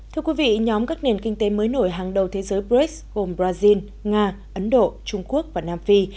thưa quý vị nhóm các nền kinh tế mới nổi hàng đầu thế giới brex gồm brazil nga ấn độ trung quốc và nam phi